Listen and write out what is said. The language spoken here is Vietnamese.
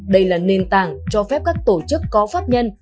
đây là nền tảng cho phép các tổ chức có pháp nhân